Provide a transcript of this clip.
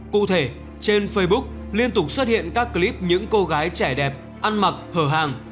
cụ thể trên facebook liên tục xuất hiện các clip những cô gái trẻ đẹp ăn mặc hở hàng